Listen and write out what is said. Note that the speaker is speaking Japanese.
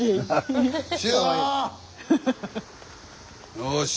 よし。